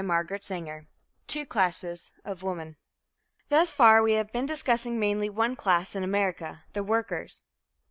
CHAPTER IV TWO CLASSES OF WOMEN Thus far we have been discussing mainly one class in America the workers.